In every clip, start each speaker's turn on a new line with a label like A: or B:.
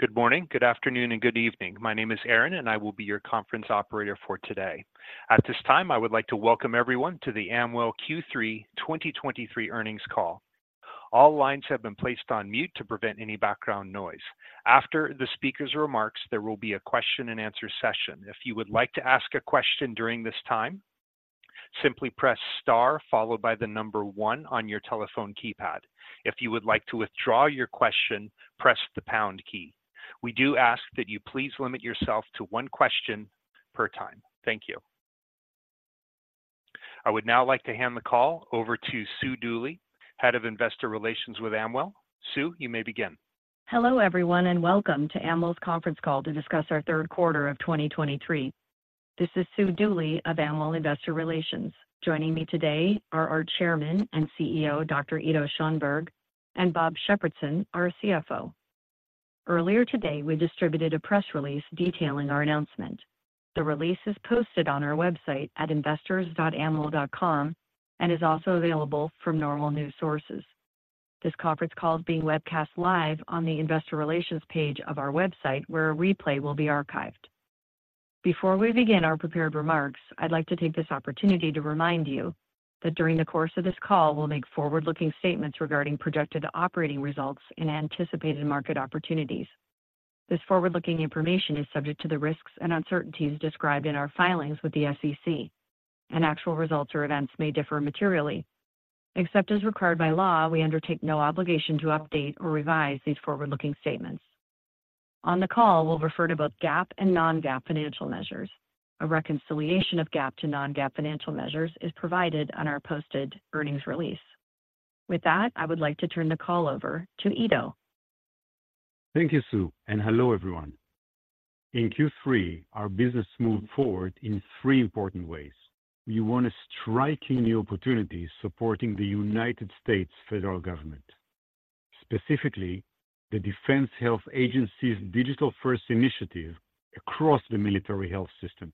A: Good morning, good afternoon, and good evening. My name is Aaron, and I will be your conference operator for today. At this time, I would like to welcome everyone to the Amwell Q3 2023 earnings call. All lines have been placed on mute to prevent any background noise. After the speaker's remarks, there will be a question-and-answer session. If you would like to ask a question during this time, simply press star followed by the number one on your telephone keypad. If you would like to withdraw your question, press the pound key. We do ask that you please limit yourself to one question per time. Thank you. I would now like to hand the call over to Sue Dooley, Head of Investor Relations with Amwell. Sue, you may begin.
B: Hello, everyone, and welcome to Amwell's conference call to discuss our third quarter of 2023. This is Sue Dooley of Amwell Investor Relations. Joining me today are our Chairman and CEO, Dr. Ido Schoenberg, and Bob Shepardson, our CFO. Earlier today, we distributed a press release detailing our announcement. The release is posted on our website at investors.amwell.com, and is also available from normal news sources. This conference call is being webcast live on the Investor Relations page of our website, where a replay will be archived. Before we begin our prepared remarks, I'd like to take this opportunity to remind you that during the course of this call, we'll make forward-looking statements regarding projected operating results and anticipated market opportunities. This forward-looking information is subject to the risks and uncertainties described in our filings with the SEC, and actual results or events may differ materially. Except as required by law, we undertake no obligation to update or revise these forward-looking statements. On the call, we'll refer to both GAAP and non-GAAP financial measures. A reconciliation of GAAP to non-GAAP financial measures is provided on our posted earnings release. With that, I would like to turn the call over to Ido.
C: Thank you, Sue, and hello, everyone. In Q3, our business moved forward in three important ways. We won a striking new opportunity supporting the United States federal government, specifically the Defense Health Agency's Digital-First Initiative across the Military Health System.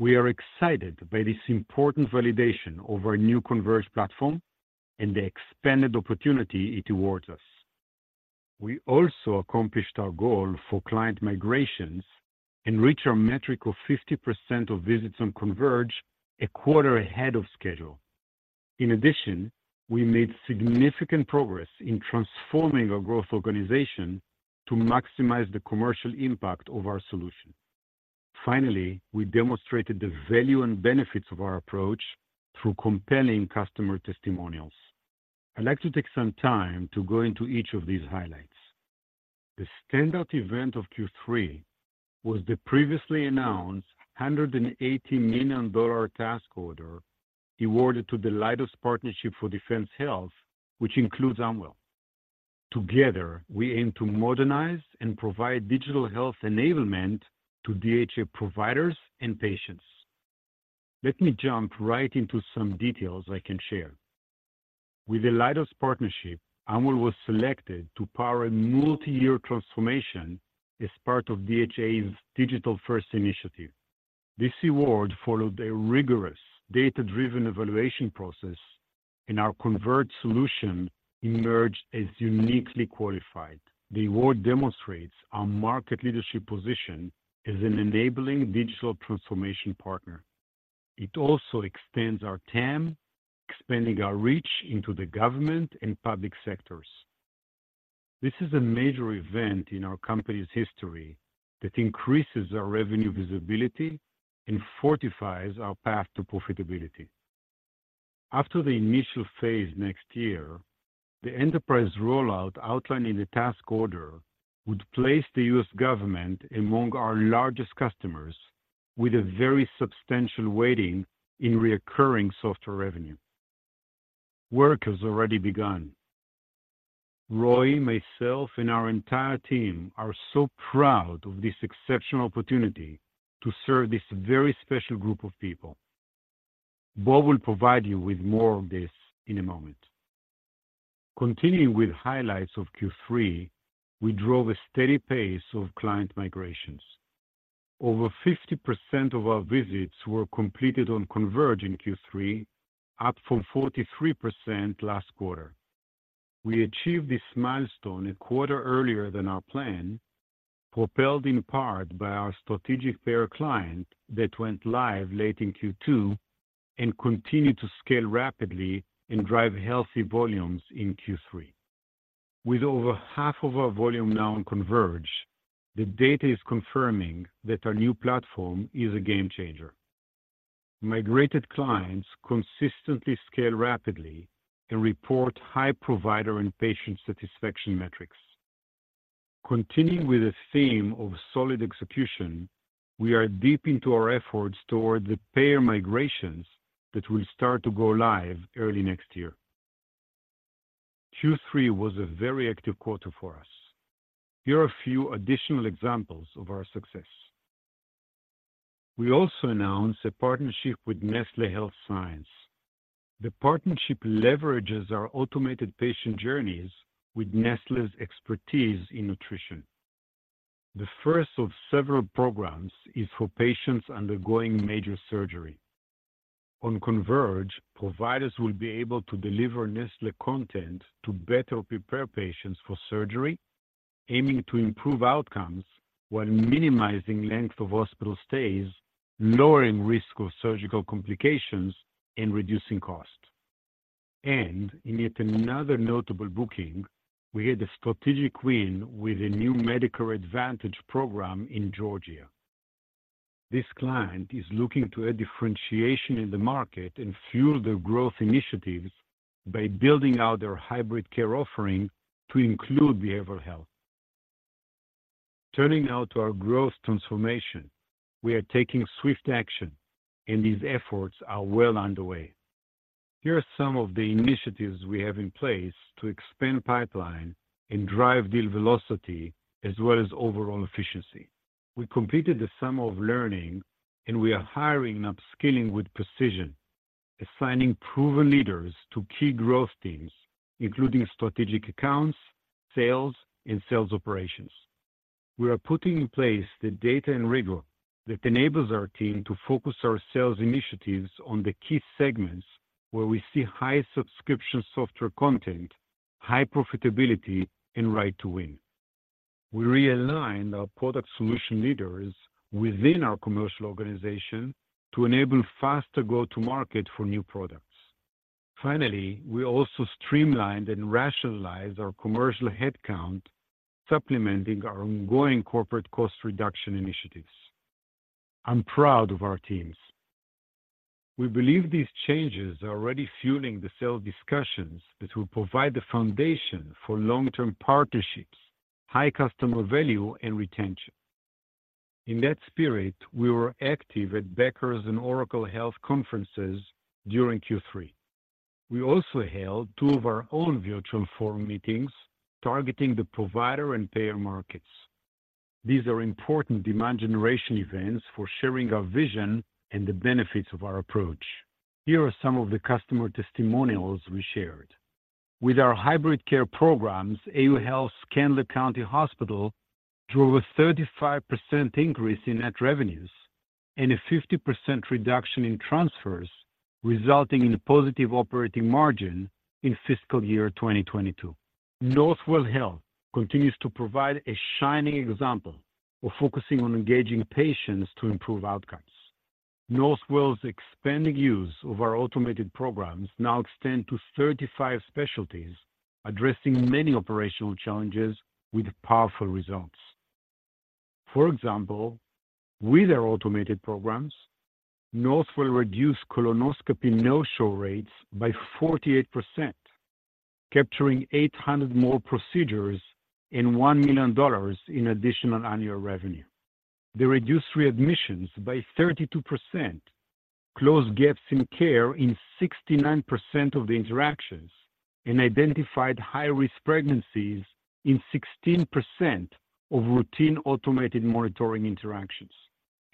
C: We are excited by this important validation of our new Converge platform and the expanded opportunity it awards us. We also accomplished our goal for client migrations and reached our metric of 50% of visits on Converge, a quarter ahead of schedule. In addition, we made significant progress in transforming our growth organization to maximize the commercial impact of our solution. Finally, we demonstrated the value and benefits of our approach through compelling customer testimonials. I'd like to take some time to go into each of these highlights. The standout event of Q3 was the previously announced $180 million task order awarded to the Leidos Partnership for Defense Health, which includes Amwell. Together, we aim to modernize and provide digital health enablement to DHA providers and patients. Let me jump right into some details I can share. With the Leidos Partnership, Amwell was selected to power a multi-year transformation as part of DHA's Digital-First Initiative. This award followed a rigorous, data-driven evaluation process, and our Converge solution emerged as uniquely qualified. The award demonstrates our market leadership position as an enabling digital transformation partner. It also extends our TAM, expanding our reach into the government and public sectors. This is a major event in our company's history that increases our revenue visibility and fortifies our path to profitability. After the initial phase next year, the enterprise rollout outlined in the task order would place the U.S. government among our largest customers, with a very substantial weighting in recurring software revenue. Work has already begun. Roy, myself, and our entire team are so proud of this exceptional opportunity to serve this very special group of people. Bob will provide you with more on this in a moment. Continuing with highlights of Q3, we drove a steady pace of client migrations. Over 50% of our visits were completed on Converge in Q3, up from 43% last quarter. We achieved this milestone a quarter earlier than our plan, propelled in part by our strategic payer client that went live late in Q2 and continued to scale rapidly and drive healthy volumes in Q3. With over half of our volume now on Converge, the data is confirming that our new platform is a game changer. Migrated clients consistently scale rapidly and report high provider and patient satisfaction metrics. Continuing with the theme of solid execution, we are deep into our efforts toward the payer migrations that will start to go-live early next year. Q3 was a very active quarter for us. Here are a few additional examples of our success. We also announced a partnership with Nestlé Health Science. The partnership leverages our automated patient journeys with Nestlé's expertise in nutrition. The first of several programs is for patients undergoing major surgery. On Converge, providers will be able to deliver Nestlé content to better prepare patients for surgery, aiming to improve outcomes while minimizing length of hospital stays, lowering risk of surgical complications, and reducing costs. In yet another notable booking, we had a strategic win with a new Medicare Advantage program in Georgia. This client is looking to add differentiation in the market and fuel their growth initiatives by building out their hybrid care offering to include behavioral health. Turning now to our growth transformation, we are taking swift action, and these efforts are well underway. Here are some of the initiatives we have in place to expand pipeline and drive deal velocity, as well as overall efficiency. We completed the summer of learning, and we are hiring and upskilling with precision, assigning proven leaders to key growth teams, including strategic accounts, sales, and sales operations. We are putting in place the data and rigor that enables our team to focus our sales initiatives on the key segments where we see high subscription software content, high profitability, and right to win. We realigned our product solution leaders within our commercial organization to enable faster go-to-market for new products. Finally, we also streamlined and rationalized our commercial headcount, supplementing our ongoing corporate cost reduction initiatives. I'm proud of our teams. We believe these changes are already fueling the sales discussions that will provide the foundation for long-term partnerships, high customer value, and retention. In that spirit, we were active at Becker's and Oracle Health conferences during Q3. We also held two of our own virtual forum meetings targeting the provider and payer markets. These are important demand generation events for sharing our vision and the benefits of our approach. Here are some of the customer testimonials we shared. With our hybrid care programs, AU Health's Candler County Hospital drove a 35% increase in net revenues and a 50% reduction in transfers, resulting in a positive operating margin in fiscal year 2022. Northwell Health continues to provide a shining example of focusing on engaging patients to improve outcomes. Northwell's expanding use of our automated programs now extend to 35 specialties, addressing many operational challenges with powerful results. For example, with our automated programs, Northwell reduced colonoscopy no-show rates by 48%, capturing 800 more procedures and $1 million in additional annual revenue. They reduced readmissions by 32%, closed gaps in care in 69% of the interactions, and identified high-risk pregnancies in 16% of routine automated monitoring interactions.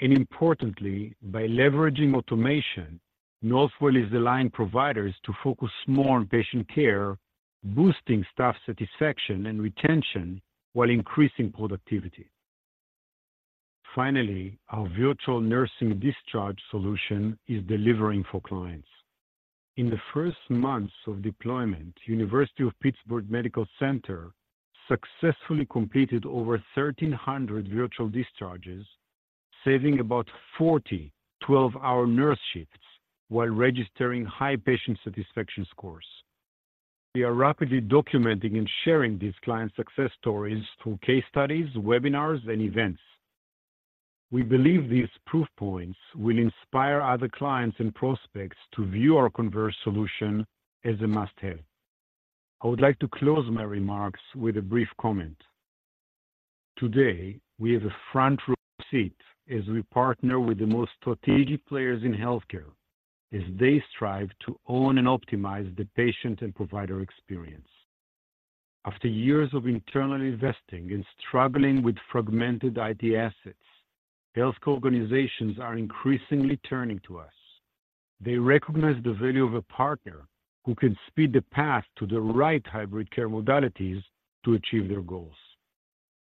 C: And importantly, by leveraging automation, Northwell is aligning providers to focus more on patient care, boosting staff satisfaction and retention while increasing productivity. Finally, our virtual nursing discharge solution is delivering for clients. In the first months of deployment, University of Pittsburgh Medical Center successfully completed over 1,300 virtual discharges, saving about 40 12-hour nurse shifts while registering high patient satisfaction scores. We are rapidly documenting and sharing these client success stories through case studies, webinars, and events. We believe these proof points will inspire other clients and prospects to view our Converge solution as a must-have. I would like to close my remarks with a brief comment. Today, we have a front-row seat as we partner with the most strategic players in healthcare as they strive to own and optimize the patient and provider experience. After years of internal investing and struggling with fragmented IT assets, healthcare organizations are increasingly turning to us. They recognize the value of a partner who can speed the path to the right hybrid care modalities to achieve their goals.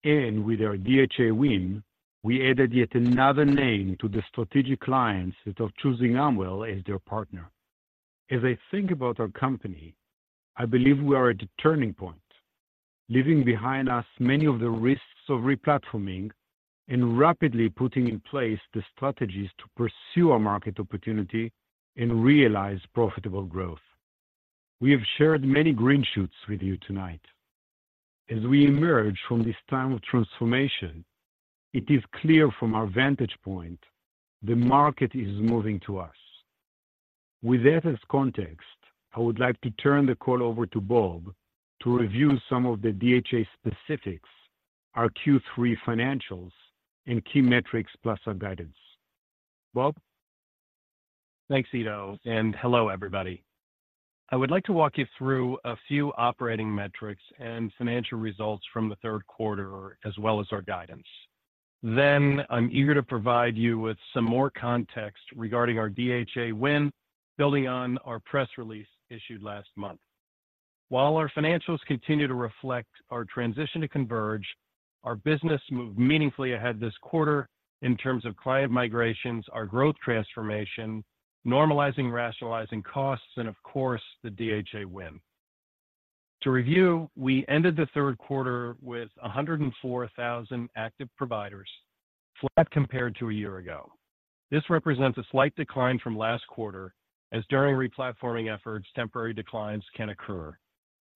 C: And with our DHA win, we added yet another name to the strategic clients that are choosing Amwell as their partner. As I think about our company, I believe we are at a turning point, leaving behind us many of the risks of replatforming and rapidly putting in place the strategies to pursue our market opportunity and realize profitable growth. We have shared many green shoots with you tonight. As we emerge from this time of transformation, it is clear from our vantage point, the market is moving to us. With that as context, I would like to turn the call over to Bob to review some of the DHA specifics, our Q3 financials, and key metrics, plus our guidance. Bob?
D: Thanks, Ido, and hello, everybody. I would like to walk you through a few operating metrics and financial results from the third quarter, as well as our guidance. Then I'm eager to provide you with some more context regarding our DHA win, building on our press release issued last month. While our financials continue to reflect our transition to Converge, our business moved meaningfully ahead this quarter in terms of client migrations, our growth transformation, normalizing, rationalizing costs, and of course, the DHA win. To review, we ended the third quarter with 104,000 active providers, flat compared to a year ago. This represents a slight decline from last quarter, as during replatforming efforts, temporary declines can occur.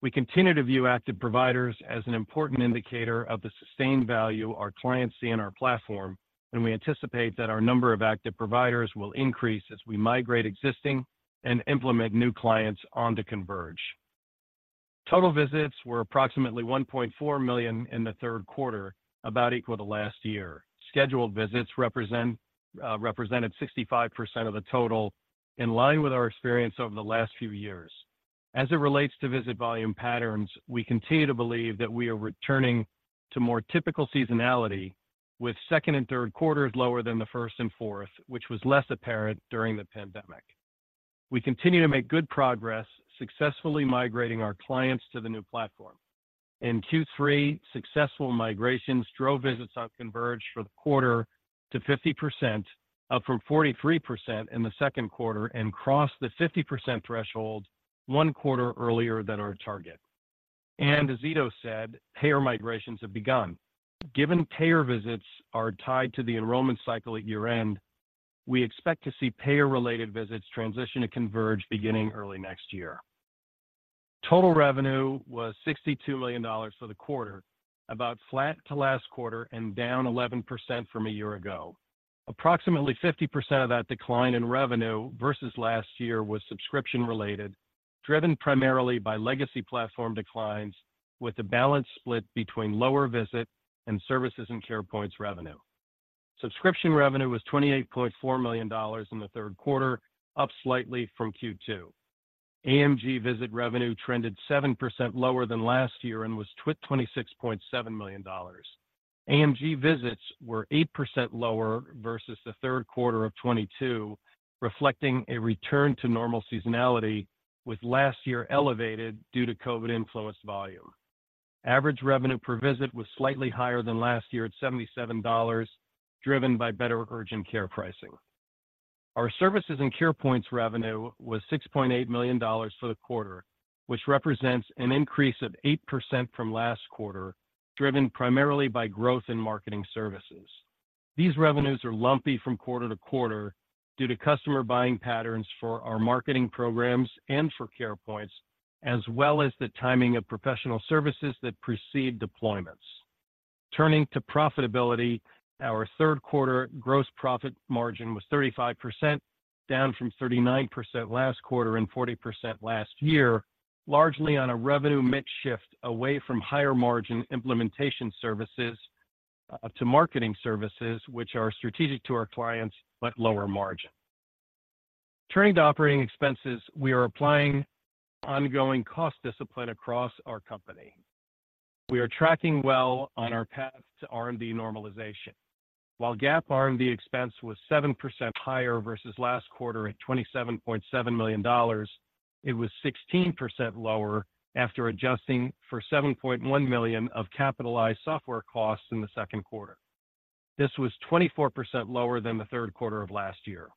D: We continue to view active providers as an important indicator of the sustained value our clients see in our platform, and we anticipate that our number of active providers will increase as we migrate existing and implement new clients onto Converge. Total visits were approximately 1.4 million in the third quarter, about equal to last year. Scheduled visits represent, represented 65% of the total, in line with our experience over the last few years. As it relates to visit volume patterns, we continue to believe that we are returning to more typical seasonality, with second and third quarters lower than the first and fourth, which was less apparent during the pandemic. We continue to make good progress, successfully migrating our clients to the new platform. In Q3, successful migrations drove visits on Converge for the quarter to 50%, up from 43% in the second quarter, and crossed the 50% threshold one quarter earlier than our target. As Ido said, payer migrations have begun. Given payer visits are tied to the enrollment cycle at year-end, we expect to see payer-related visits transition to Converge beginning early next year. Total revenue was $62 million for the quarter, about flat to last quarter and down 11% from a year ago. Approximately 50% of that decline in revenue versus last year was subscription-related, driven primarily by legacy platform declines, with the balance split between lower visit and services and Carepoint's revenue. Subscription revenue was $28.4 million in the third quarter, up slightly from Q2. AMG visit revenue trended 7% lower than last year and was $26.7 million. AMG visits were 8% lower versus the third quarter of 2022, reflecting a return to normal seasonality, with last year elevated due to COVID-influenced volume. Average revenue per visit was slightly higher than last year at $77, driven by better urgent care pricing. Our services and Carepoint's revenue was $6.8 million for the quarter, which represents an increase of 8% from last quarter, driven primarily by growth in marketing services. These revenues are lumpy from quarter to quarter due to customer buying patterns for our marketing programs and for Carepoints, as well as the timing of professional services that precede deployments. Turning to profitability, our third quarter gross profit margin was 35%, down from 39% last quarter and 40% last year, largely on a revenue mix shift away from higher margin implementation services to marketing services, which are strategic to our clients, but lower margin. Turning to operating expenses, we are applying ongoing cost discipline across our company. We are tracking well on our path to R&D normalization. While GAAP R&D expense was 7% higher versus last quarter at $27.7 million, it was 16% lower after adjusting for $7.1 million of capitalized software costs in the second quarter. This was 24% lower than the third quarter of last year.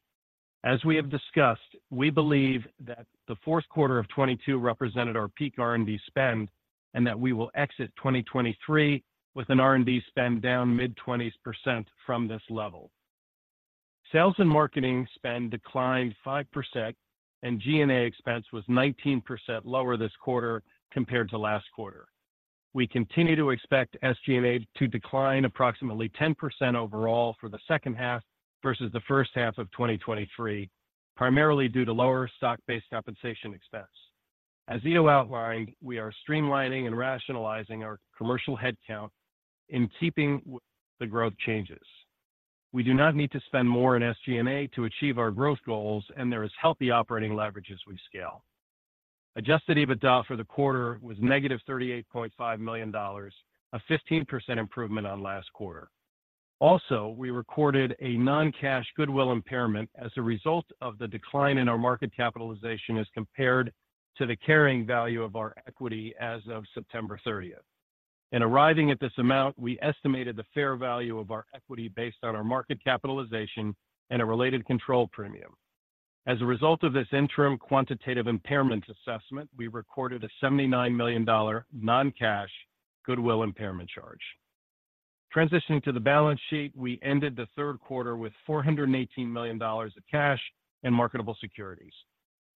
D: As we have discussed, we believe that the fourth quarter of 2022 represented our peak R&D spend, and that we will exit 2023 with an R&D spend down mid 20% from this level. Sales and marketing spend declined 5%, and G&A expense was 19% lower this quarter compared to last quarter. We continue to expect SG&A to decline approximately 10% overall for the second half versus the first half of 2023, primarily due to lower stock-based compensation expense. As Ido outlined, we are streamlining and rationalizing our commercial headcount in keeping with the growth changes. We do not need to spend more in SG&A to achieve our growth goals, and there is healthy operating leverage as we scale. Adjusted EBITDA for the quarter was -$38.5 million, a 15% improvement on last quarter. Also, we recorded a non-cash goodwill impairment as a result of the decline in our market capitalization as compared to the carrying value of our equity as of September 30. In arriving at this amount, we estimated the fair value of our equity based on our market capitalization and a related control premium. As a result of this interim quantitative impairment assessment, we recorded a $79 million non-cash goodwill impairment charge. Transitioning to the balance sheet, we ended the third quarter with $418 million of cash in marketable securities.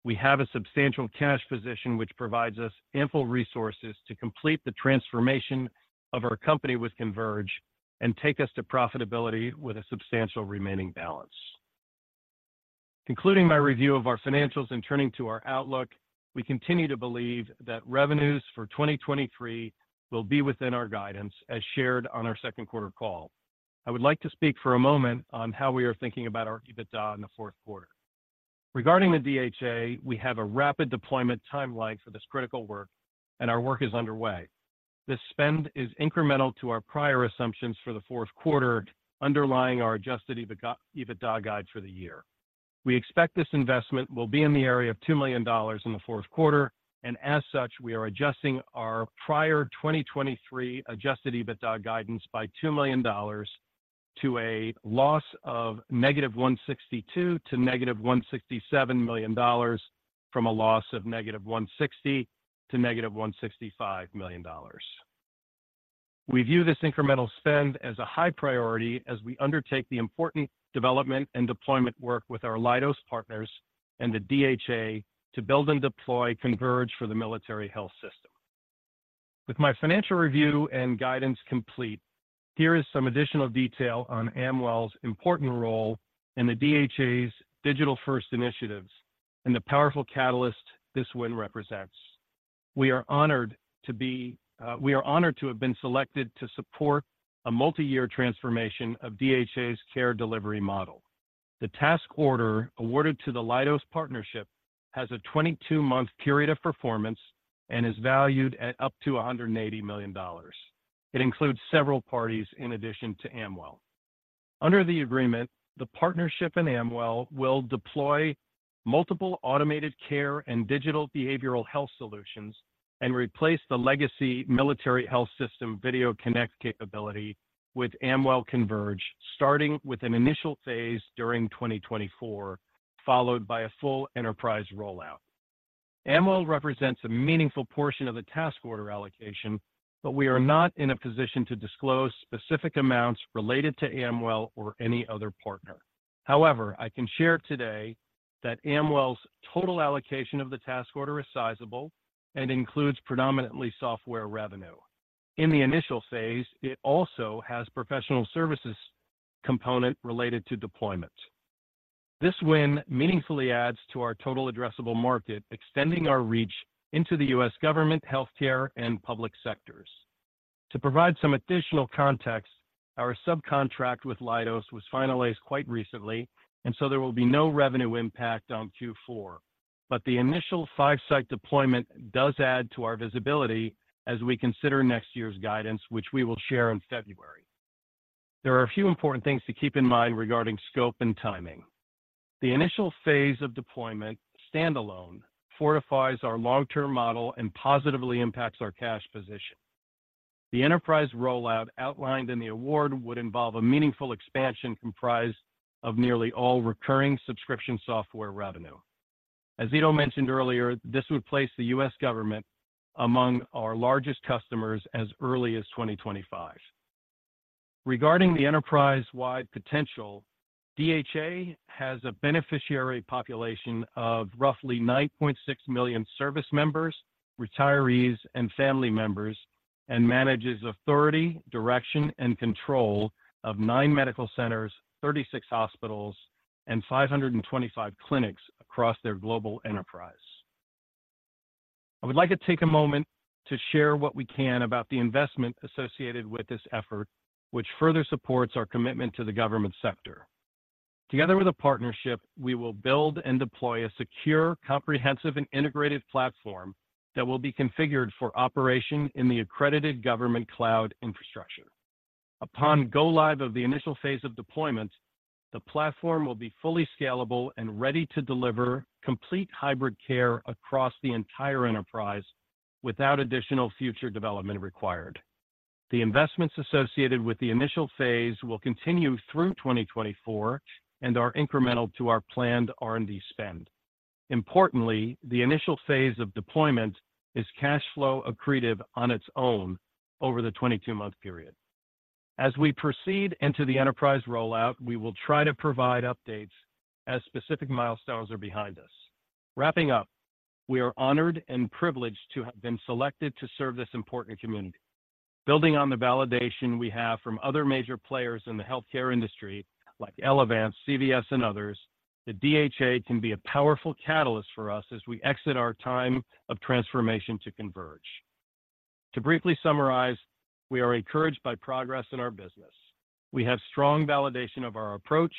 D: We have a substantial cash position, which provides us ample resources to complete the transformation of our company with Converge and take us to profitability with a substantial remaining balance. Concluding my review of our financials and turning to our outlook, we continue to believe that revenues for 2023 will be within our guidance as shared on our second quarter call. I would like to speak for a moment on how we are thinking about our EBITDA in the fourth quarter. Regarding the DHA, we have a rapid deployment timeline for this critical work, and our work is underway. This spend is incremental to our prior assumptions for the fourth quarter, underlying our adjusted EBITDA guide for the year.... We expect this investment will be in the area of $2 million in the fourth quarter, and as such, we are adjusting our prior 2023 adjusted EBITDA guidance by $2 million to a loss of -$162 million to -$167 million from a loss of -$160 million to -$165 million. We view this incremental spend as a high priority as we undertake the important development and deployment work with our Leidos partners and the DHA to build and deploy Converge for the Military Health System. With my financial review and guidance complete, here is some additional detail on Amwell's important role in the DHA's digital-first initiatives and the powerful catalyst this win represents. We are honored to have been selected to support a multi-year transformation of DHA's care delivery model. The task order awarded to the Leidos partnership has a 22-month period of performance and is valued at up to $180 million. It includes several parties in addition to Amwell. Under the agreement, the partnership in Amwell will deploy multiple automated care and digital behavioral health solutions and replace the legacy Military Health System Video Connect capability with Amwell Converge, starting with an initial phase during 2024, followed by a full enterprise rollout. Amwell represents a meaningful portion of the task order allocation, but we are not in a position to disclose specific amounts related to Amwell or any other partner. However, I can share today that Amwell's total allocation of the task order is sizable and includes predominantly software revenue. In the initial phase, it also has professional services component related to deployment. This win meaningfully adds to our total addressable market, extending our reach into the U.S. government, healthcare, and public sectors. To provide some additional context, our subcontract with Leidos was finalized quite recently, and so there will be no revenue impact on Q4. But the initial five-site deployment does add to our visibility as we consider next year's guidance, which we will share in February. There are a few important things to keep in mind regarding scope and timing. The initial phase of deployment, standalone, fortifies our long-term model and positively impacts our cash position. The enterprise rollout outlined in the award would involve a meaningful expansion comprised of nearly all recurring subscription software revenue. As Ido mentioned earlier, this would place the U.S. government among our largest customers as early as 2025. Regarding the enterprise-wide potential, DHA has a beneficiary population of roughly 9.6 million service members, retirees, and family members, and manages authority, direction, and control of nine medical centers, 36 hospitals, and 525 clinics across their global enterprise. I would like to take a moment to share what we can about the investment associated with this effort, which further supports our commitment to the government sector. Together with a partnership, we will build and deploy a secure, comprehensive, and integrated platform that will be configured for operation in the accredited government cloud infrastructure. Upon go-live of the initial phase of deployment, the platform will be fully scalable and ready to deliver complete hybrid care across the entire enterprise without additional future development required. The investments associated with the initial phase will continue through 2024 and are incremental to our planned R&D spend. Importantly, the initial phase of deployment is cash flow accretive on its own over the 22-month period. As we proceed into the enterprise rollout, we will try to provide updates as specific milestones are behind us. Wrapping up, we are honored and privileged to have been selected to serve this important community. Building on the validation we have from other major players in the healthcare industry, like Elevance, CVS, and others, the DHA can be a powerful catalyst for us as we exit our time of transformation to Converge. To briefly summarize, we are encouraged by progress in our business. We have strong validation of our approach,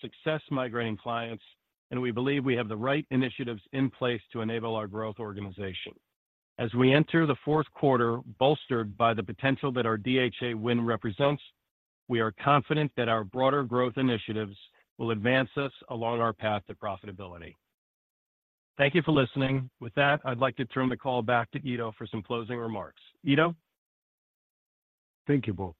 D: success migrating clients, and we believe we have the right initiatives in place to enable our growth organization. As we enter the fourth quarter, bolstered by the potential that our DHA win represents, we are confident that our broader growth initiatives will advance us along our path to profitability. Thank you for listening. With that, I'd like to turn the call back to Ido for some closing remarks. Ido?
C: Thank you, Bob.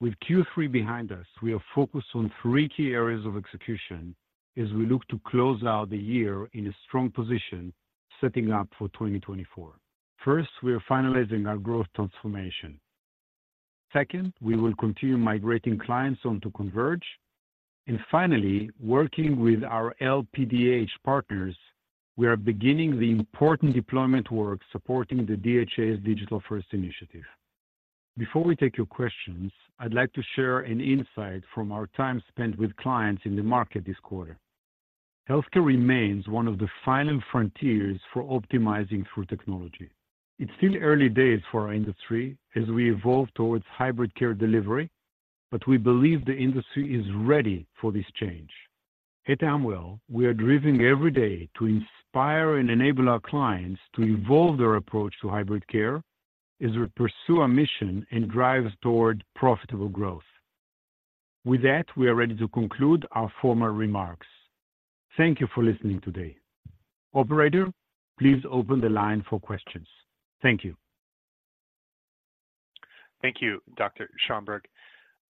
C: With Q3 behind us, we are focused on three key areas of execution as we look to close out the year in a strong position, setting up for 2024. First, we are finalizing our growth transformation. Second, we will continue migrating clients on to Converge. And finally, working with our LPDH partners, we are beginning the important deployment work supporting the DHA's Digital-First Initiative. Before we take your questions, I'd like to share an insight from our time spent with clients in the market this quarter. Healthcare remains one of the final frontiers for optimizing through technology. It's still early days for our industry as we evolve towards Hybrid Care delivery, but we believe the industry is ready for this change. At Amwell, we are driven every day to inspire and enable our clients to evolve their approach to Hybrid Care.... As we pursue our mission and drive toward profitable growth. With that, we are ready to conclude our formal remarks. Thank you for listening today. Operator, please open the line for questions. Thank you.
A: Thank you, Dr. Schoenberg.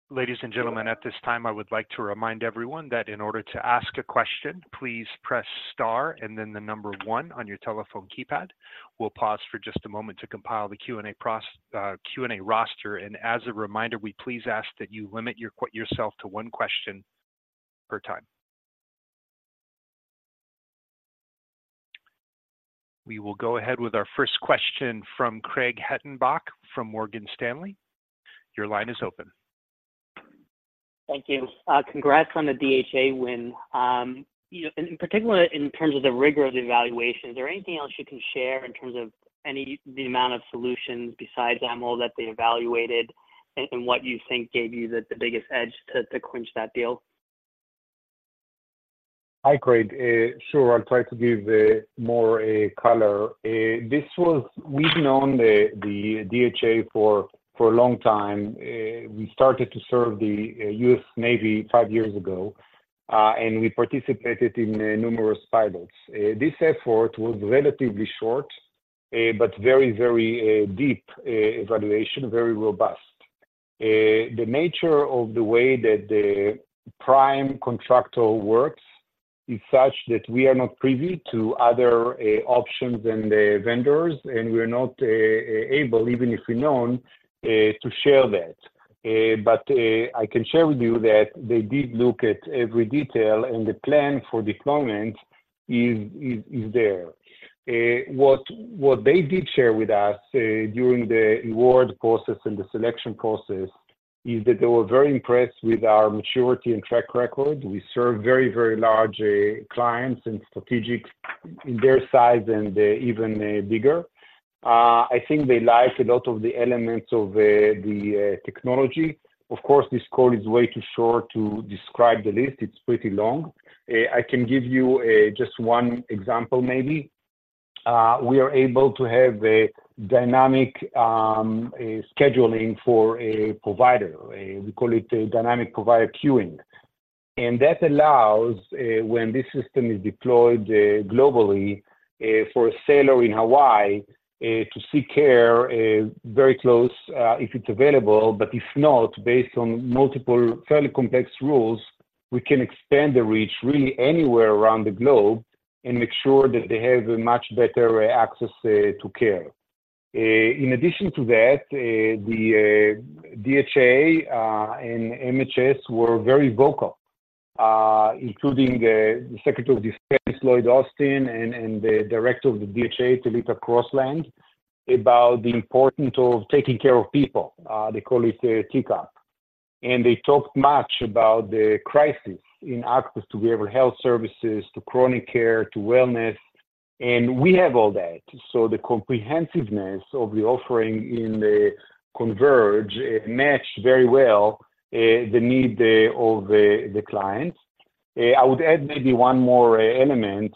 A: Ladies and gentlemen, at this time, I would like to remind everyone that in order to ask a question, please press star and then the number one on your telephone keypad. We'll pause for just a moment to compile the Q&A roster, and as a reminder, we please ask that you limit yourself to one question per time. We will go ahead with our first question from Craig Hettenbach from Morgan Stanley. Your line is open.
E: Thank you. Congrats on the DHA win. You know, in particular, in terms of the rigor of the evaluation, is there anything else you can share in terms of any, the amount of solutions besides Amwell that they evaluated, and what you think gave you the biggest edge to clinch that deal?
C: Hi, Craig. Sure, I'll try to give more color. This was. We've known the DHA for a long time. We started to serve the U.S. Navy five years ago, and we participated in numerous pilots. This effort was relatively short, but very, very deep evaluation, very robust. The nature of the way that the prime contractor works is such that we are not privy to other options and the vendors, and we are not able, even if we known, to share that. But I can share with you that they did look at every detail, and the plan for deployment is there. What they did share with us during the award process and the selection process is that they were very impressed with our maturity and track record. We serve very, very large clients and strategics in their size and even bigger. I think they liked a lot of the elements of the technology. Of course, this call is way too short to describe the list. It's pretty long. I can give you just one example maybe. We are able to have a dynamic scheduling for a provider. We call it a dynamic provider queuing, and that allows, when this system is deployed, globally, for a sailor in Hawaii, to seek care, very close, if it's available, but if not, based on multiple fairly complex rules, we can expand the reach really anywhere around the globe and make sure that they have a much better access, to care. In addition to that, the DHA and MHS were very vocal, including the Secretary of Defense, Lloyd Austin, and the director of the DHA, Telita Crosland, about the importance of taking care of people. They call it, TCOP. And they talked much about the crisis in access to behavioral health services, to chronic care, to wellness, and we have all that. So the comprehensiveness of the offering in the Converge matched very well the need of the clients. I would add maybe one more element.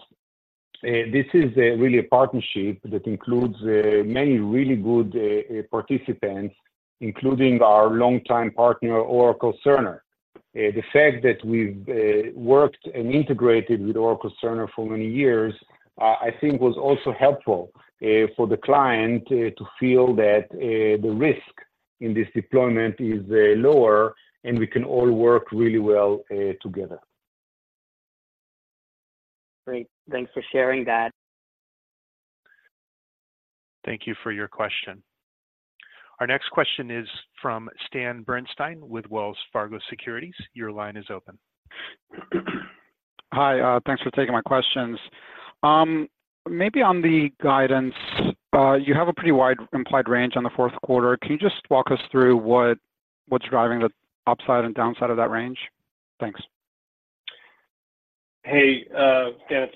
C: This is really a partnership that includes many really good participants, including our longtime partner, Oracle Cerner. The fact that we've worked and integrated with Oracle Cerner for many years I think was also helpful for the client to feel that the risk in this deployment is lower, and we can all work really well together.
E: Great. Thanks for sharing that.
A: Thank you for your question. Our next question is from Stan Berenshteyn with Wells Fargo Securities. Your line is open.
F: Hi, thanks for taking my questions. Maybe on the guidance, you have a pretty wide implied range on the fourth quarter. Can you just walk us through what, what's driving the upside and downside of that range? Thanks.
D: Hey, Stan,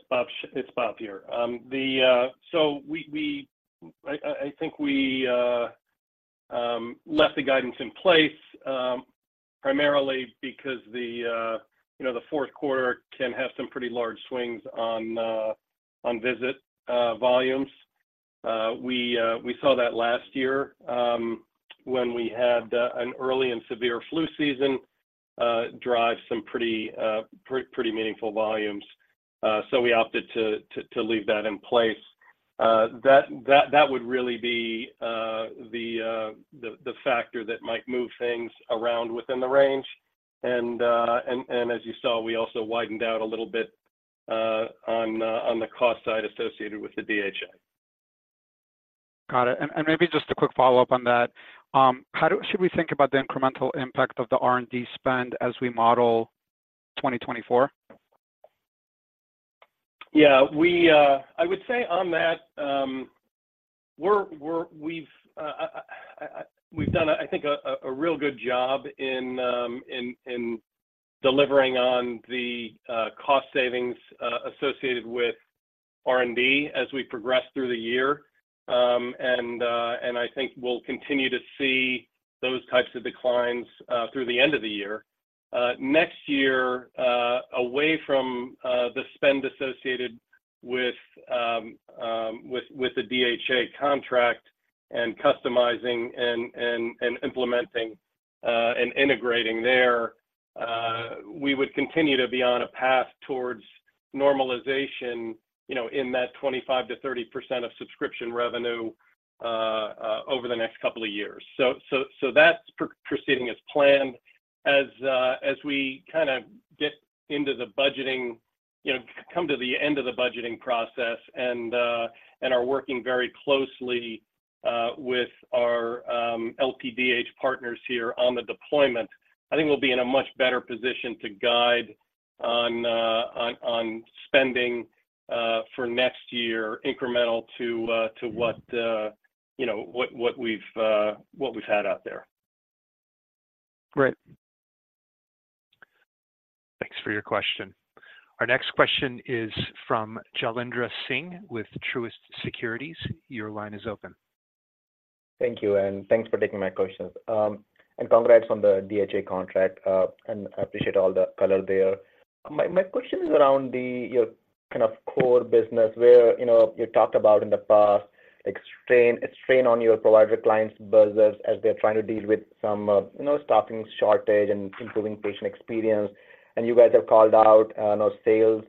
D: it's Bob here. So, I think we left the guidance in place, primarily because, you know, the fourth quarter can have some pretty large swings on visit volumes. We saw that last year, when we had an early and severe flu season drive some pretty meaningful volumes. So we opted to leave that in place. That would really be the factor that might move things around within the range. And as you saw, we also widened out a little bit on the cost side associated with the DHA.
F: Got it. And maybe just a quick follow-up on that. How should we think about the incremental impact of the R&D spend as we model 2024?
D: Yeah, I would say on that, we've done, I think, a real good job in delivering on the cost savings associated with R&D as we progress through the year. And I think we'll continue to see those types of declines through the end of the year. ... next year, away from the spend associated with the DHA contract and customizing and implementing and integrating there, we would continue to be on a path towards normalization, you know, in that 25%-30% of subscription revenue over the next couple of years. So, that's proceeding as planned. As we kinda get into the budgeting, you know, come to the end of the budgeting process and are working very closely with our LPDH partners here on the deployment, I think we'll be in a much better position to guide on spending for next year, incremental to what, you know, what we've had out there.
E: Great.
A: Thanks for your question. Our next question is from Jailendra Singh with Truist Securities. Your line is open.
G: Thank you, and thanks for taking my questions. And congrats on the DHA contract, and I appreciate all the color there. My question is around the, your kind of core business where, you know, you talked about in the past, like a strain on your provider clients business as they're trying to deal with some, you know, staffing shortage and improving patient experience. And you guys have called out, you know, sales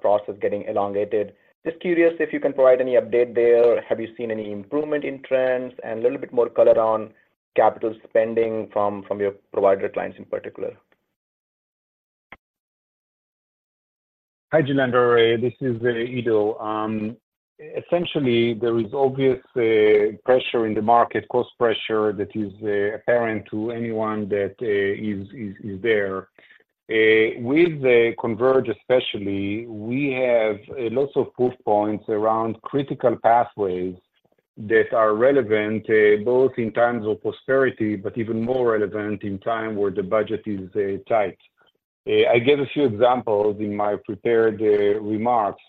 G: process getting elongated. Just curious if you can provide any update there. Have you seen any improvement in trends? And a little bit more color on capital spending from your provider clients in particular.
C: Hi, Jailendra, this is Ido. Essentially, there is obvious pressure in the market, cost pressure that is apparent to anyone that is there. With the Converge especially, we have lots of proof points around critical pathways that are relevant both in times of prosperity, but even more relevant in time where the budget is tight. I gave a few examples in my prepared remarks.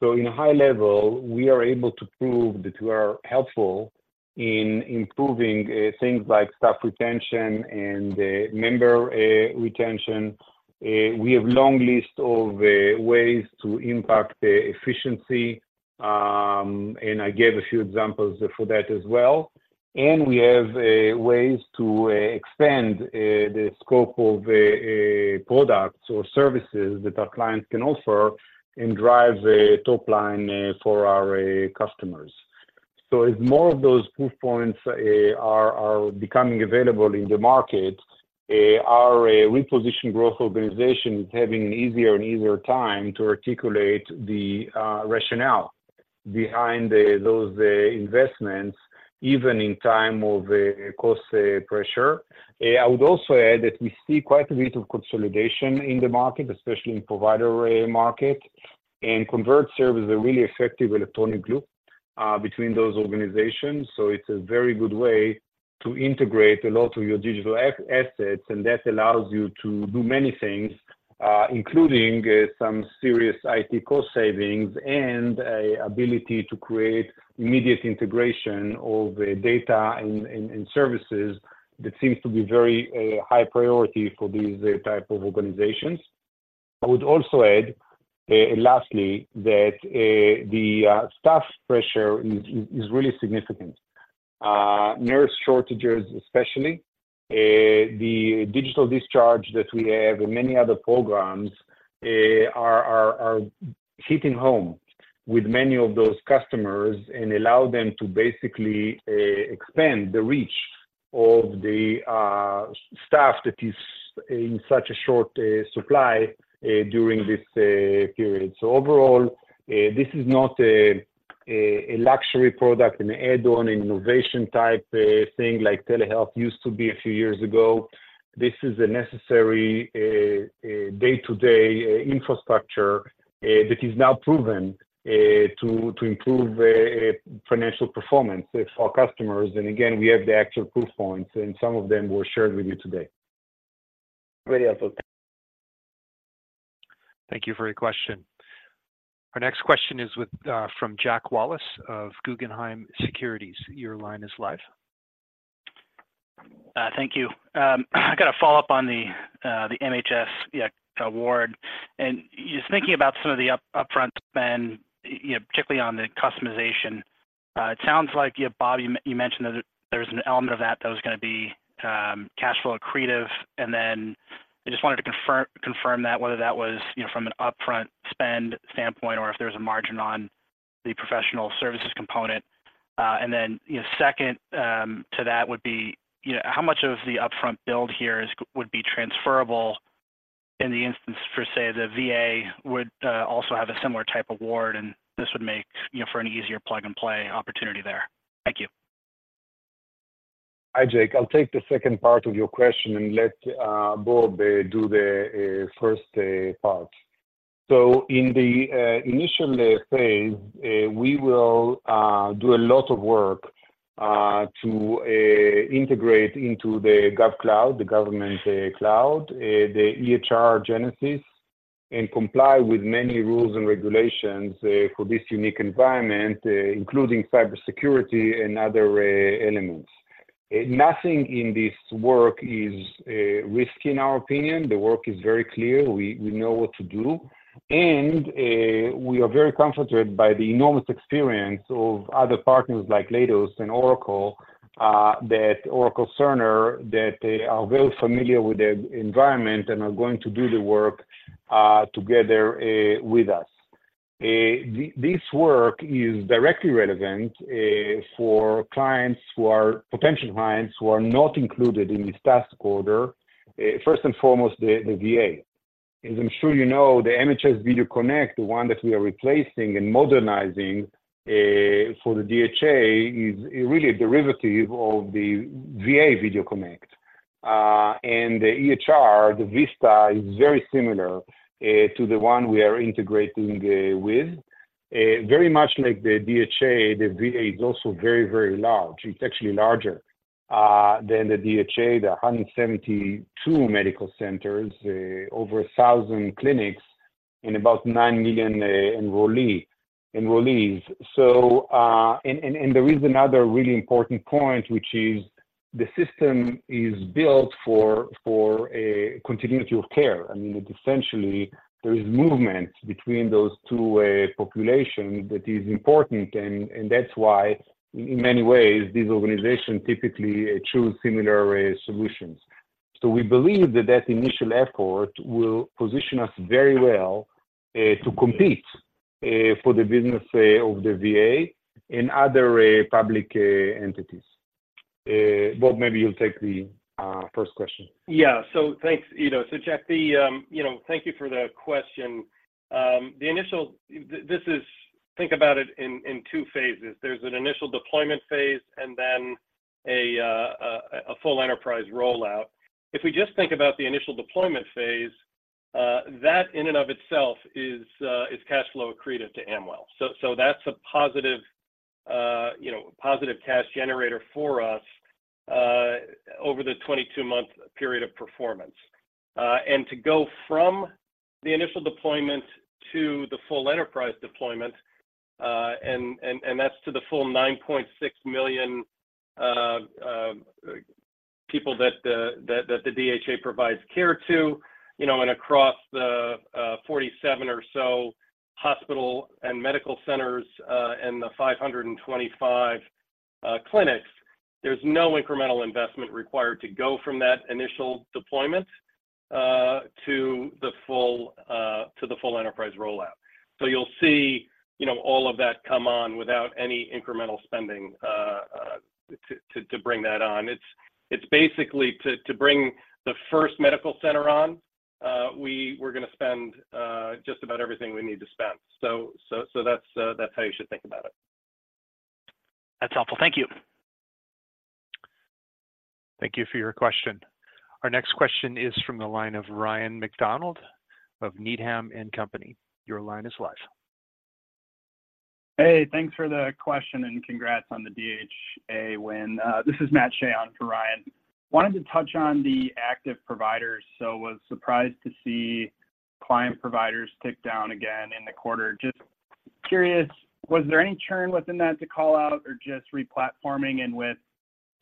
C: So in high level, we are able to prove that we are helpful in improving things like staff retention and member retention. We have long list of ways to impact the efficiency, and I gave a few examples for that as well. And we have ways to expand the scope of products or services that our clients can offer and drive the top line for our customers. So as more of those proof points are becoming available in the market, our reposition growth organization is having an easier and easier time to articulate the rationale behind those investments, even in time of cost pressure. I would also add that we see quite a bit of consolidation in the market, especially in provider market, and Converge serves as a really effective electronic glue between those organizations. So it's a very good way to integrate a lot of your digital assets, and that allows you to do many things, including some serious IT cost savings and an ability to create immediate integration of data and services that seems to be very high priority for these type of organizations. I would also add, lastly, that the staff pressure is really significant. Nurse shortages, especially, the digital discharge that we have and many other programs are hitting home with many of those customers and allow them to basically expand the reach of the staff that is in such a short supply during this period. Overall, this is not a luxury product, an add-on innovation type thing like telehealth used to be a few years ago. This is a necessary day-to-day infrastructure that is now proven to improve financial performance for customers. Again, we have the actual proof points, and some of them were shared with you today.
G: Very helpful. Thank you.
A: Thank you for your question. Our next question is with from Jack Wallace of Guggenheim Securities. Your line is live.
H: Thank you. I got a follow-up on the MHS, yeah, award. And just thinking about some of the upfront spend, you know, particularly on the customization, it sounds like, yeah, Bob, you mentioned that there's an element of that that was gonna be cash flow accretive, and then I just wanted to confirm that, whether that was, you know, from an upfront spend standpoint or if there was a margin on the professional services component. And then, you know, second, to that would be, you know, how much of the upfront build here would be transferable in the instance for, say, the VA would also have a similar type of award, and this would make, you know, for an easier plug-and-play opportunity there. Thank you.
C: Hi, Jack. I'll take the second part of your question and let Bob do the first part. So in the initial phase, we will do a lot of work to integrate into the GovCloud, the government cloud, the EHR Genesis, and comply with many rules and regulations for this unique environment, including cybersecurity and other elements. Nothing in this work is risky in our opinion. The work is very clear. We know what to do, and we are very comforted by the enormous experience of other partners like Leidos and Oracle Cerner that they are very familiar with the environment and are going to do the work together with us. This work is directly relevant for clients who are potential clients, who are not included in this task order. First and foremost, the VA. As I'm sure you know, the MHS Video Connect, the one that we are replacing and modernizing for the DHA, is really a derivative of the VA Video Connect. And the EHR, the VistA, is very similar to the one we are integrating with. Very much like the DHA, the VA is also very, very large. It's actually larger than the DHA. There are 172 medical centers, over 1,000 clinics and about 9 million enrollees. So, there is another really important point, which is the system is built for a continuity of care. I mean, essentially, there is movement between those two, population that is important, and that's why, in many ways, these organizations typically choose similar solutions. So we believe that that initial effort will position us very well to compete for the business of the VA and other public entities. Bob, maybe you'll take the first question.
D: Yeah. So thanks, Ido. So Jack, the, you know, thank you for the question. The initial th- this is... Think about it in, in two phases. There's an initial deployment phase and then a, a full enterprise rollout. If we just think about the initial deployment phase, that in and of itself is cash flow accretive to Amwell. So, so that's a positive, you know, positive cash generator for us over the 22-month period of performance. To go from the initial deployment to the full enterprise deployment, that's to the full 9.6 million people that the DHA provides care to, you know, and across the 47 or so hospital and medical centers and the 525 clinics, there's no incremental investment required to go from that initial deployment to the full enterprise rollout. So you'll see, you know, all of that come on without any incremental spending to bring that on. It's basically to bring the first medical center on, we're gonna spend just about everything we need to spend. So that's how you should think about it.
I: That's helpful. Thank you.
A: Thank you for your question. Our next question is from the line of Ryan MacDonald of Needham and Company. Your line is live.
J: Hey, thanks for the question, and congrats on the DHA win. This is Matt Shea on for Ryan. Wanted to touch on the active providers, so was surprised to see client providers tick down again in the quarter. Just curious, was there any churn within that to call out or just re-platforming? And with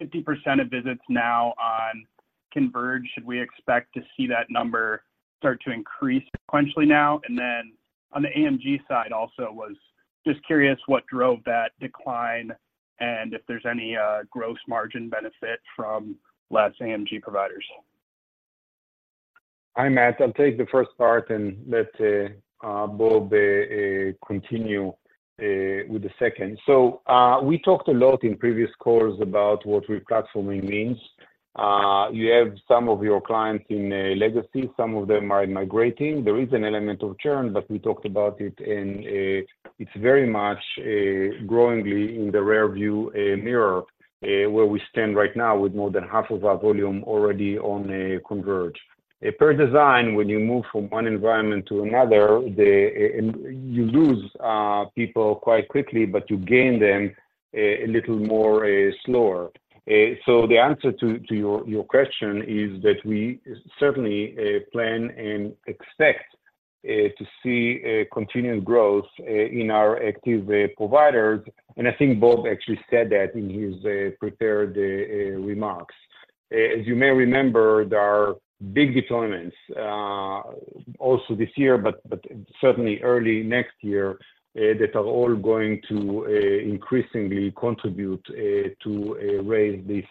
J: 50% of visits now on Converge, should we expect to see that number start to increase sequentially now? And then on the AMG side also, was just curious what drove that decline and if there's any gross margin benefit from less AMG providers.
C: Hi, Matt. I'll take the first part and let Bob continue with the second. So, we talked a lot in previous calls about what re-platforming means. You have some of your clients in a legacy, some of them are migrating. There is an element of churn, but we talked about it, and it's very much growingly in the rearview mirror where we stand right now with more than half of our volume already on a Converge. Per design, when you move from one environment to another, and you lose people quite quickly, but you gain them a little more slower. So the answer to your question is that we certainly plan and expect to see continued growth in our active providers. I think Bob actually said that in his prepared remarks. As you may remember, there are big deployments also this year, but certainly early next year that are all going to increasingly contribute to raise this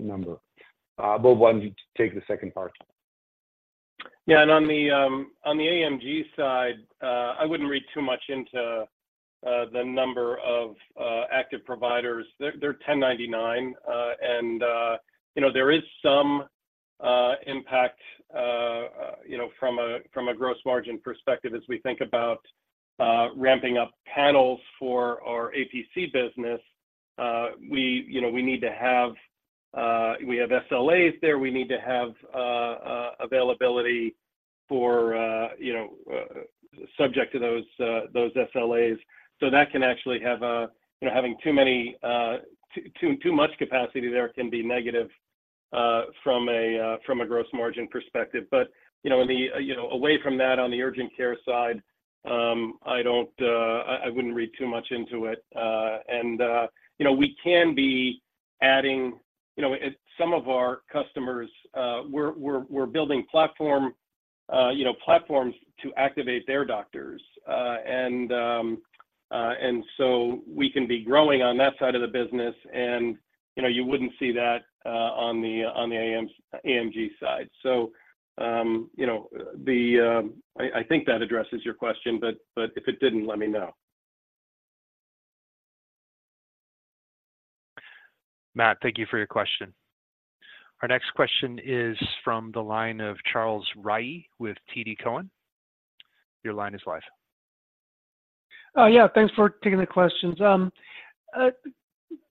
C: number. Bob, why don't you take the second part?
D: Yeah. And on the AMG side, I wouldn't read too much into the number of active providers. They're 1099. And you know, there is some impact you know, from a gross margin perspective as we think about ramping up panels for our APC business. We you know, we need to have we have SLAs there. We need to have availability for you know subject to those SLAs. So that can actually have you know, having too much capacity there can be negative from a gross margin perspective. But you know, in the you know, away from that, on the urgent care side, I wouldn't read too much into it. You know, we can be adding, you know, at some of our customers, we're building platforms to activate their doctors. And so we can be growing on that side of the business and, you know, you wouldn't see that on the AMG side. So, you know, I think that addresses your question, but if it didn't, let me know.
A: Matt, thank you for your question. Our next question is from the line of Charles Rhyee with TD Cowen. Your line is live.
K: Yeah, thanks for taking the questions.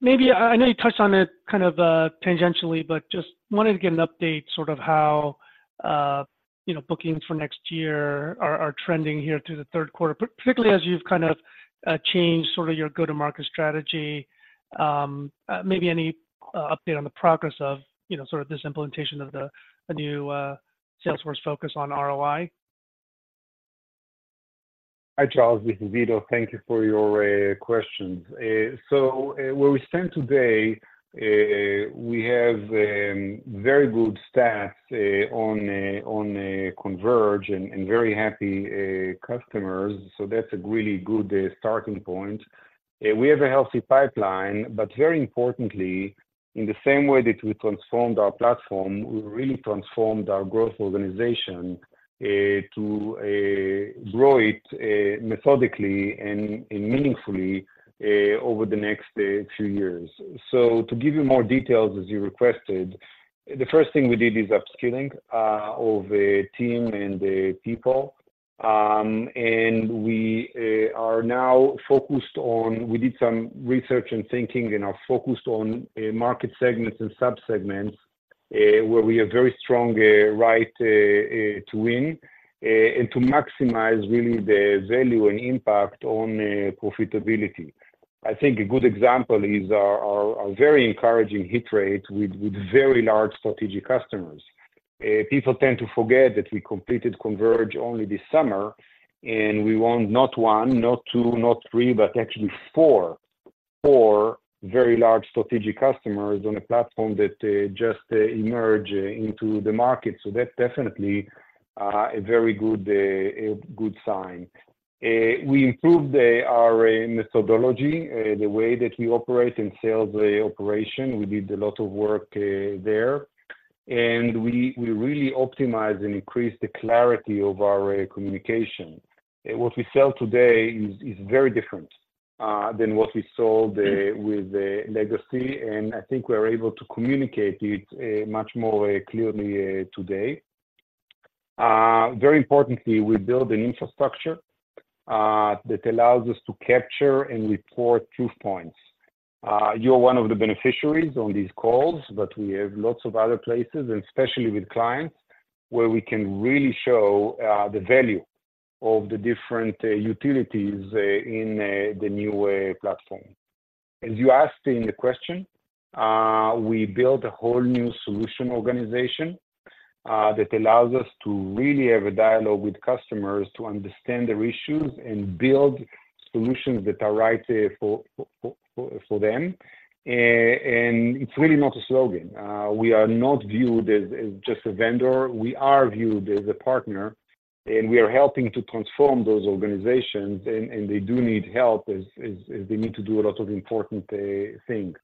K: Maybe I know you touched on it kind of tangentially, but just wanted to get an update, sort of how, you know, bookings for next year are trending here through the third quarter, particularly as you've kind of changed sort of your go-to-market strategy. Maybe any update on the progress of, you know, sort of this implementation of the new Salesforce focus on ROI?
C: Hi, Charles, this is Ido. Thank you for your questions. So, where we stand today, we have very good stats on Converge and very happy customers, so that's a really good starting point. We have a healthy pipeline, but very importantly, in the same way that we transformed our platform, we really transformed our growth organization to grow it methodically and meaningfully over the next few years. So to give you more details as you requested, the first thing we did is upskilling of the team and the people. We did some research and thinking and are now focused on market segments and subsegments where we have very strong right to win and to maximize really the value and impact on profitability. I think a good example is our very encouraging hit rate with very large strategic customers. People tend to forget that we completed Converge only this summer, and we won not one, not two, not three, but actually four. Four very large strategic customers on a platform that just emerged into the market. So that definitely a very good sign. We improved our methodology, the way that we operate in sales operation. We did a lot of work there, and we really optimized and increased the clarity of our communication. What we sell today is very different than what we sold with the legacy, and I think we're able to communicate it much more clearly today. Very importantly, we built an infrastructure that allows us to capture and report truth points. You're one of the beneficiaries on these calls, but we have lots of other places, and especially with clients, where we can really show the value of the different utilities in the new platform. As you asked in the question, we built a whole new solution organization that allows us to really have a dialogue with customers to understand their issues and build solutions that are right for them. It's really not a slogan. We are not viewed as just a vendor, we are viewed as a partner, and we are helping to transform those organizations, and they do need help, as they need to do a lot of important things.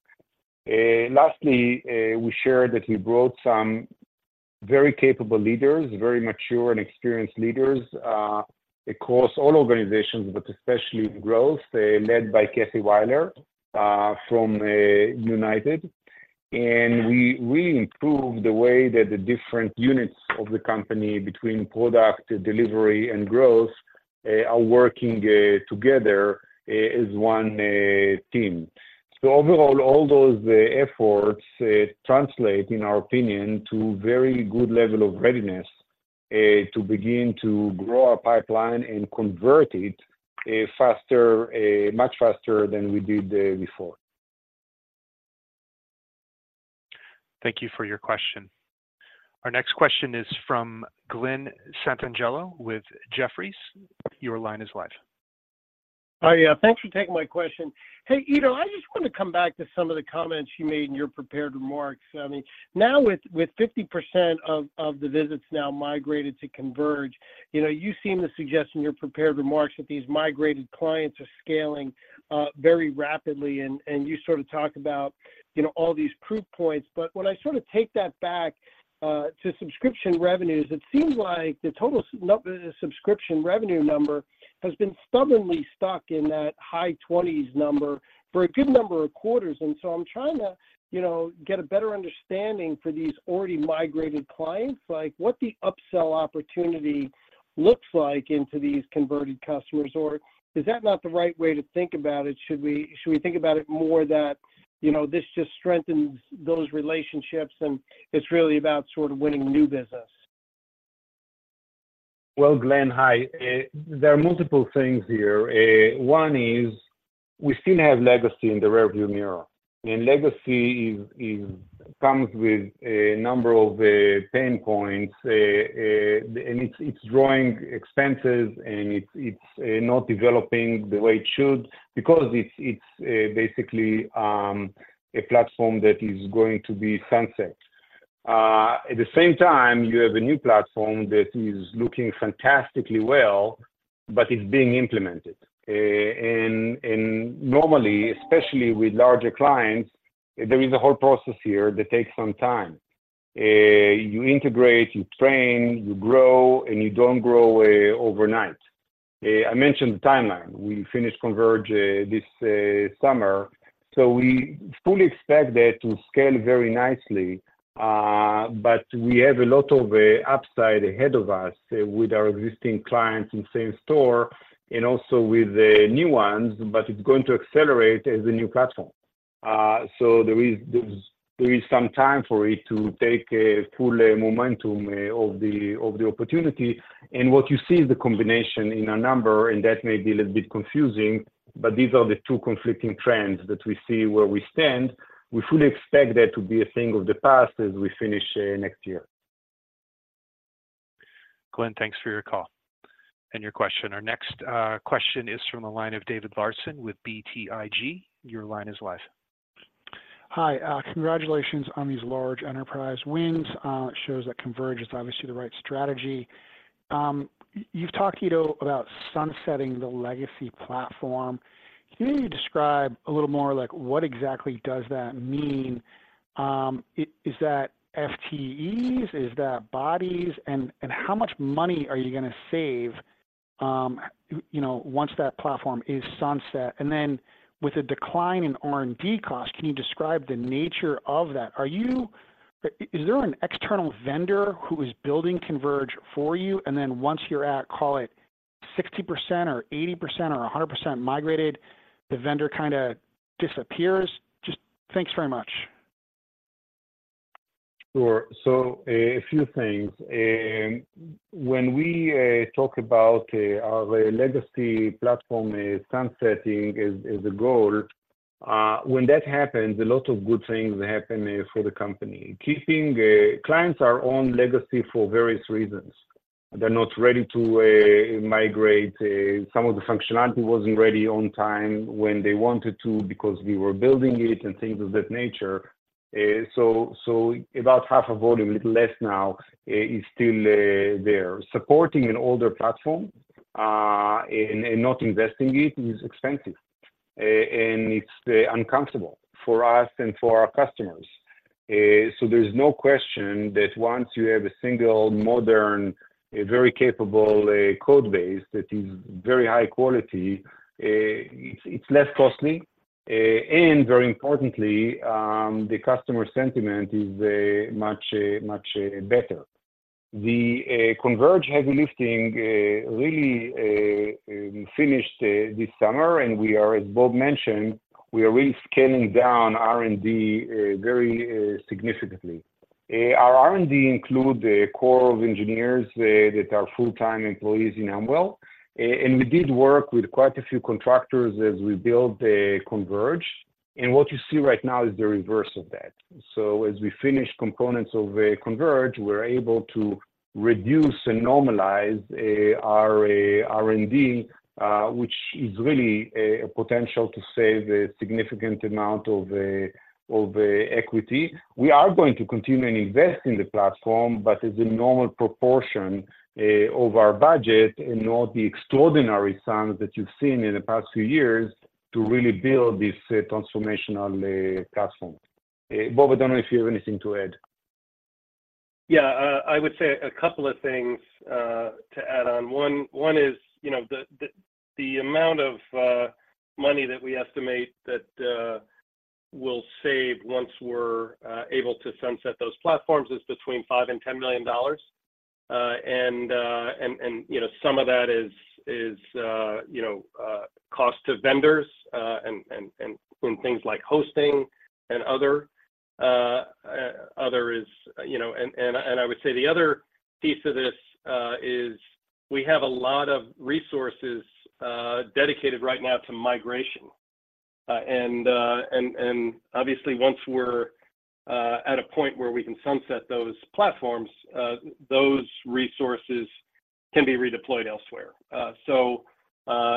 C: Lastly, we shared that we brought some very capable leaders, very mature and experienced leaders across all organizations, but especially growth, led by Kathy Weiler from United. We improved the way that the different units of the company, between product, delivery, and growth, are working together as one team. Overall, all those efforts translate, in our opinion, to very good level of readiness to begin to grow our pipeline and convert it faster, much faster than we did before.
A: Thank you for your question. Our next question is from Glen Santangelo with Jefferies. Your line is live.
L: Oh, yeah. Thanks for taking my question. Hey, Ido, I just wanna come back to some of the comments you made in your prepared remarks. I mean, now with 50% of the visits now migrated to Converge, you know, you seem to suggest in your prepared remarks that these migrated clients are scaling very rapidly, and you sort of talked about, you know, all these proof points. But when I sort of take that back to subscription revenues, it seems like the total subscription revenue number has been stubbornly stuck in that high 20s number for a good number of quarters. And so I'm trying to, you know, get a better understanding for these already migrated clients, like what the upsell opportunity looks like into these converted customers, or is that not the right way to think about it? Should we think about it more that, you know, this just strengthens those relationships, and it's really about sort of winning new business?...
C: Well, Glen, hi. There are multiple things here. One is we still have legacy in the rearview mirror, and legacy comes with a number of pain points. And it's drawing expenses, and it's not developing the way it should because it's basically a platform that is going to be sunset. At the same time, you have a new platform that is looking fantastically well, but it's being implemented. And normally, especially with larger clients, there is a whole process here that takes some time. You integrate, you train, you grow, and you don't grow overnight. I mentioned the timeline. We finished Converge this summer, so we fully expect that to scale very nicely. But we have a lot of upside ahead of us with our existing clients in same store and also with the new ones, but it's going to accelerate as a new platform. So there is some time for it to take a full momentum of the opportunity. And what you see is the combination in a number, and that may be a little bit confusing, but these are the two conflicting trends that we see where we stand. We fully expect that to be a thing of the past as we finish next year.
A: Glenn, thanks for your call and your question. Our next question is from the line of David Larsen with BTIG. Your line is live.
M: Hi. Congratulations on these large enterprise wins. It shows that Converge is obviously the right strategy. You've talked, Ido, about sunsetting the legacy platform. Can you describe a little more like what exactly does that mean? Is that FTEs? Is that bodies? And, and how much money are you gonna save, you know, once that platform is sunset? And then with a decline in R&D costs, can you describe the nature of that? Are you? Is there an external vendor who is building Converge for you, and then once you're at, call it 60% or 80% or 100% migrated, the vendor kinda disappears? Just thanks very much.
C: Sure. So a few things. When we talk about our legacy platform sunsetting is a goal, when that happens, a lot of good things happen for the company. Keeping clients are on legacy for various reasons. They're not ready to migrate. Some of the functionality wasn't ready on time when they wanted to because we were building it and things of that nature. So about half a volume, a little less now, is still there. Supporting an older platform and not investing it is expensive and it's uncomfortable for us and for our customers. So there's no question that once you have a single modern, a very capable, code base that is very high quality, it's, it's less costly, and very importantly, the customer sentiment is much, much better. The Converge heavy lifting really finished this summer, and we are, as Bob mentioned, we are really scaling down R&D very significantly. Our R&D include a core of engineers that are full-time employees in Amwell, and we did work with quite a few contractors as we built the Converge, and what you see right now is the reverse of that. So as we finish components of Converge, we're able to reduce and normalize our R&D, which is really a potential to save a significant amount of equity. We are going to continue and invest in the platform, but it's a normal proportion of our budget and not the extraordinary sums that you've seen in the past few years to really build this transformational platform. Bob, I don't know if you have anything to add.
D: Yeah, I would say a couple of things to add on. One is, you know, the amount of money that we estimate that we'll save once we're able to sunset those platforms is between $5 million and $10 million. And, you know, some of that is, you know, cost to vendors, and things like hosting and other... And I would say the other piece of this is we have a lot of resources dedicated right now to migration. And obviously, once we're at a point where we can sunset those platforms, those resources can be redeployed elsewhere. So,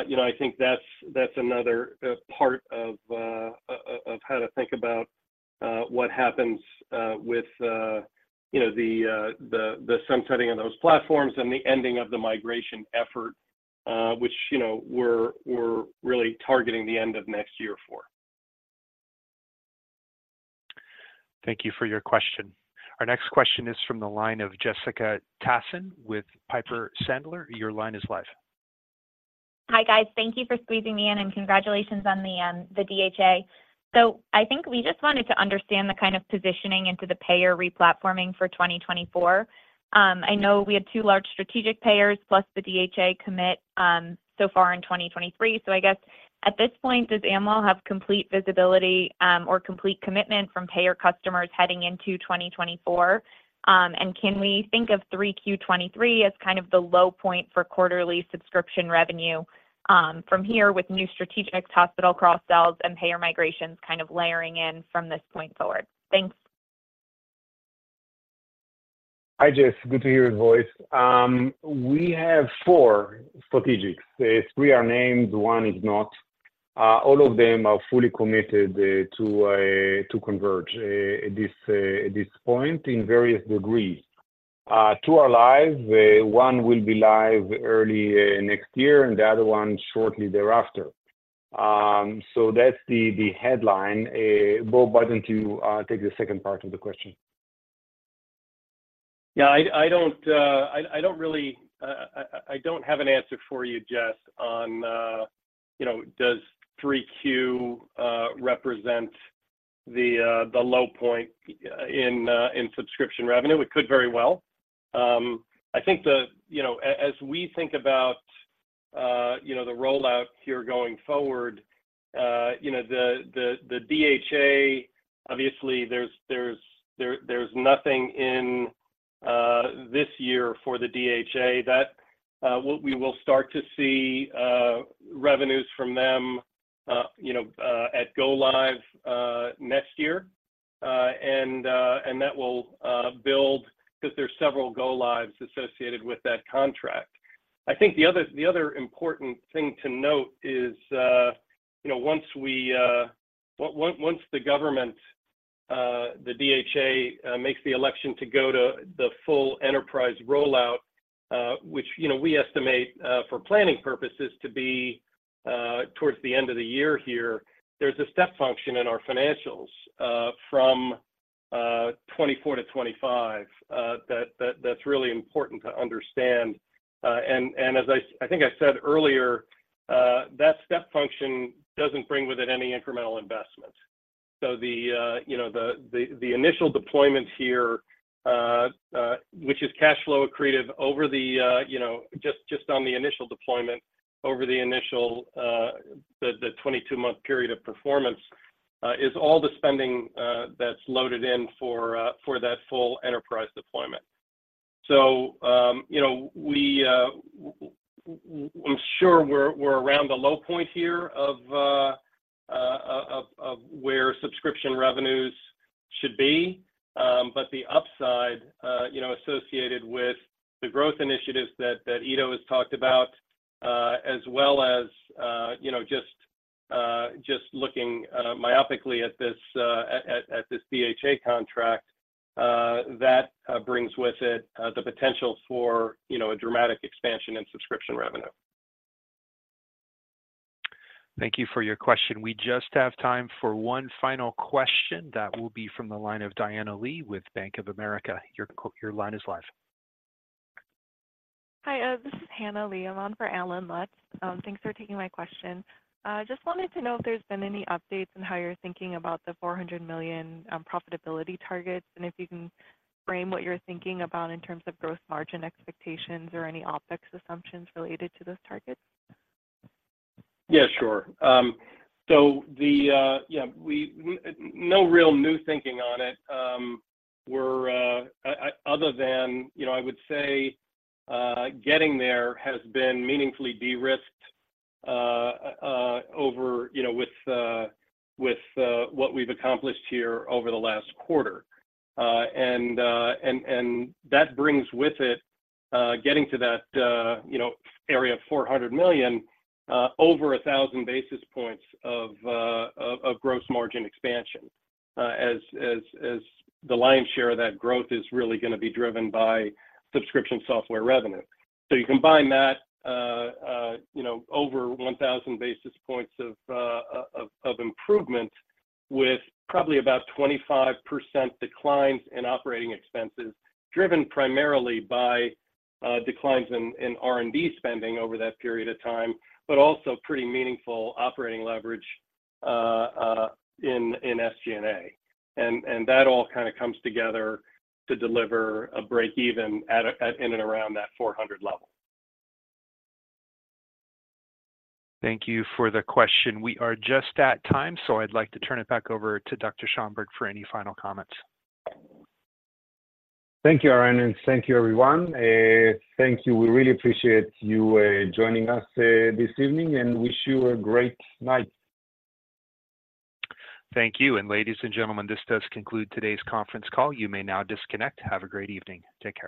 D: you know, I think that's another part of how to think about what happens with, you know, the sunsetting of those platforms and the ending of the migration effort, which, you know, we're really targeting the end of next year for.
A: Thank you for your question. Our next question is from the line of Jessica Tassan with Piper Sandler. Your line is live.
N: Hi, guys. Thank you for squeezing me in, and congratulations on the DHA. So I think we just wanted to understand the kind of positioning into the payer replatforming for 2024. I know we had two large strategic payers plus the DHA commit so far in 2023. So I guess- ...At this point, does Amwell have complete visibility or complete commitment from payer customers heading into 2024? And can we think of 3Q 2023 as kind of the low point for quarterly subscription revenue from here, with new strategic hospital cross-sells and payer migrations kind of layering in from this point forward? Thanks.
C: Hi, Jess, good to hear your voice. We have four strategics. Three are named, one is not. All of them are fully committed to Converge at this point in various degrees. Two are live, one will be live early next year, and the other one shortly thereafter. So that's the headline. Bob, why don't you take the second part of the question?
D: Yeah, I don't really have an answer for you, Jess, on, you know, does 3Q represent the low point in subscription revenue? It could very well. I think the... You know, as we think about, you know, the rollout here going forward, you know, the DHA, obviously there's nothing in this year for the DHA. That, we will start to see revenues from them, you know, at go-live next year. And that will build because there are several go-lives associated with that contract. I think the other important thing to note is, you know, once the government, the DHA, makes the election to go to the full enterprise rollout, which, you know, we estimate for planning purposes to be towards the end of the year here, there's a step function in our financials from 2024 to 2025. That's really important to understand. And as I think I said earlier, that step function doesn't bring with it any incremental investment. So the, you know, the initial deployments here, which is cash flow accretive over the, you know, just on the initial deployment, over the initial, the 22-month period of performance, is all the spending that's loaded in for that full enterprise deployment. So, you know, we, I'm sure we're around the low point here of where subscription revenues should be. But the upside, you know, associated with the growth initiatives that Ido has talked about, as well as, you know, just looking myopically at this DHA contract, that brings with it the potential for, you know, a dramatic expansion in subscription revenue.
A: Thank you for your question. We just have time for one final question. That will be from the line of Diana Lee with Bank of America. Your line is live.
O: Hi, this is Hanna Lee. I'm on for Allen Lutz. Thanks for taking my question. Just wanted to know if there's been any updates on how you're thinking about the $400 million profitability targets, and if you can frame what you're thinking about in terms of gross margin expectations or any OpEx assumptions related to those targets?
D: Yeah, sure. So, yeah, no real new thinking on it other than, you know, I would say, getting there has been meaningfully de-risked over, you know, with what we've accomplished here over the last quarter. And that brings with it, getting to that, you know, area of $400 million over 1,000 basis points of gross margin expansion, as the lion's share of that growth is really gonna be driven by subscription software revenue. So you combine that, you know, over 1,000 basis points of improvement with probably about 25% declines in operating expenses, driven primarily by declines in R&D spending over that period of time, but also pretty meaningful operating leverage in SG&A. And that all kind of comes together to deliver a break-even at a, at in and around that 400 level.
A: Thank you for the question. We are just at time, so I'd like to turn it back over to Dr. Schoenberg for any final comments.
C: Thank you, Aaron, and thank you, everyone. Thank you. We really appreciate you joining us this evening, and wish you a great night.
A: Thank you, and ladies and gentlemen, this does conclude today's conference call. You may now disconnect. Have a great evening. Take care.